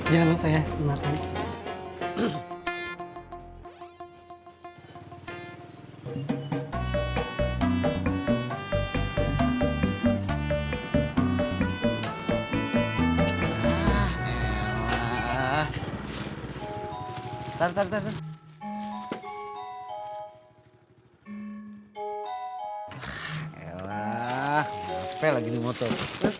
capek lagi di motor